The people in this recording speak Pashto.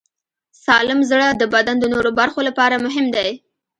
سالم زړه د بدن د نورو برخو لپاره مهم دی.